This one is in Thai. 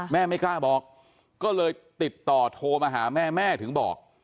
ไม่กล้าบอกก็เลยติดต่อโทรมาหาแม่แม่ถึงบอก